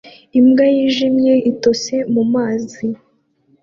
Imbwa yijimye itose mumazi